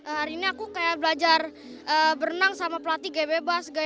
hari ini aku kayak belajar berenang sama pelatih kayak bebas